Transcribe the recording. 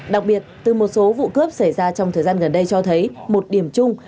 đặc biệt từ một số vụ cướp xảy ra trong thời gian gần đây cho thấy một điểm chung